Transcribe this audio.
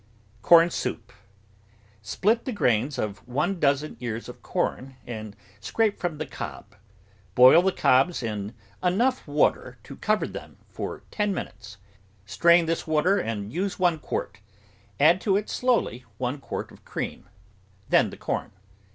CORN SOUP Split the grains of one dozen ears of corn and scrape from the cob. Boil the cobs in enough water [m] THE VEGETABLE GARDEN to cover them for ten minutes. Strain this water and use one quart. Add to it slowly one quart of cream, then the corn.